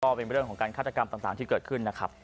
เป็นเรื่องของการฆาตกรรมต่างที่เกิดขึ้นนะครับ